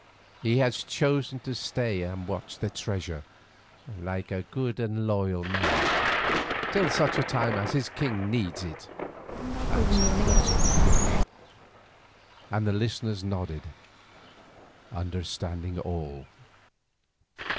"He has chosen to stay and watch the treasure, like a good and loyal man, till such time as his king needs it," answered Guatemoc grimly, and the listeners nodded, understanding all.